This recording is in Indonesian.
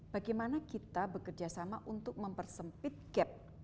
bagaimana kita bekerja sama untuk mempersempit gap